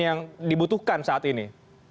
yang dibutuhkan saat ini